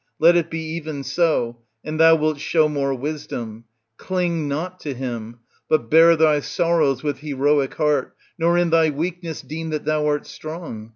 Let it be even so, and thou wilt show more wisdom ; cling not to him, but bear thy sorrows with heroic heart, nor in thy weakness deem that thou art strong.